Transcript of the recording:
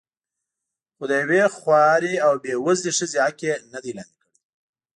خو د یوې خوارې او بې وزلې ښځې حق یې نه دی لاندې کړی.